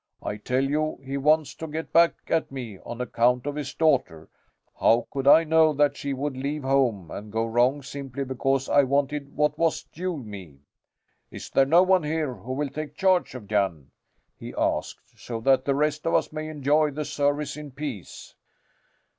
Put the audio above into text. I tell you he wants to get back at me on account of his daughter. How could I know that she would leave home and go wrong simply because I wanted what was due me. Is there no one here who will take charge of Jan," he asked, "so that the rest of us may enjoy the service in peace?"